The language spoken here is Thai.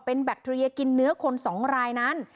เป็นแบคทีเรียกินเนื้อคน๒รายนั้น